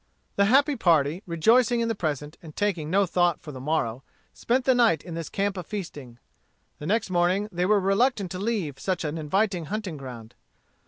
The happy party, rejoicing in the present, and taking no thought for the morrow, spent the night in this camp of feasting. The next morning they were reluctant to leave such an inviting hunting ground.